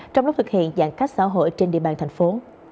trong lúc thực hiện giãn cách xã hội trên địa bàn thành phố